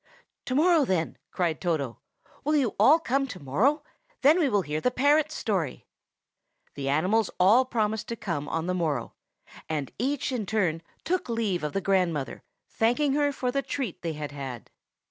"To morrow, then," cried Toto. "Will you all come to morrow? Then we will hear the parrot's story." The animals all promised to come on the morrow, and each in turn took leave of the grandmother, thanking her for the treat they had had.